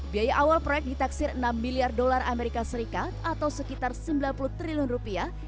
biaya awal proyek ditaksir enam miliar dolar amerika serikat atau sekitar sembilan puluh triliun rupiah